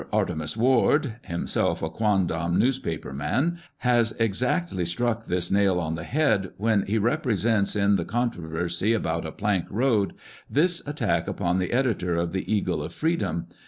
" Artemus Ward," himself a quondam "newspaper man," has exactly struck this nail on the head when he represents in the " controversy about a plank road," this attack upon the editor of the Eagle of Freedom.